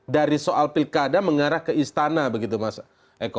dari soal pilkada mengarah ke istana begitu mas eko